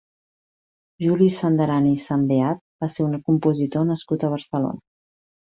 Juli Sandaran i Sambeat va ser un compositor nascut a Barcelona.